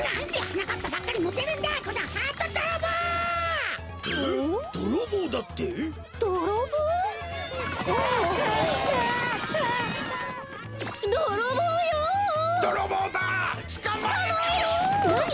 なに？